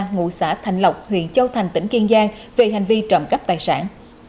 ngụ xã thành lộc huyện châu thành tỉnh kiên giang về hành vi trộm cắp tài sản